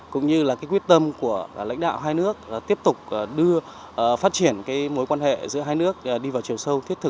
cũng như là quyết tâm của lãnh đạo hai nước tiếp tục phát triển mối quan hệ giữa hai nước đi vào chiều sâu